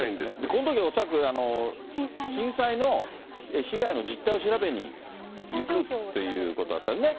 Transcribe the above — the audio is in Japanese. このとき恐らく震災の被害の実態を調べに行くということだったんだよね。